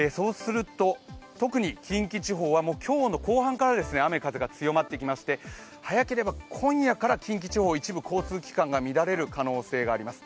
特に近畿地方は今日の後半から雨・風が強まってきまして早ければ今夜から近畿地方、一部交通機関が乱れる可能性があります。